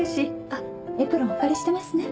あっエプロンお借りしてますね。